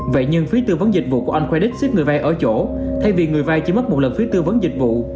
vậy nhưng phí tư vấn dịch vụ của anh credit xít người vay ở chỗ thay vì người vay chỉ mất một lần phí tư vấn dịch vụ